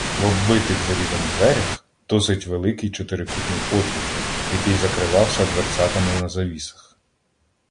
В оббитих залізом дверях — досить великий чотирикутний отвір, який закривався дверцятами на завісах.